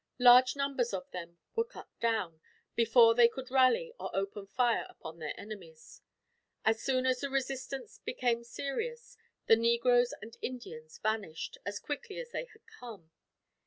Large numbers of them were cut down, before they could rally or open fire upon their enemies. As soon as the resistance became serious, the negroes and Indians vanished, as quickly as they had come.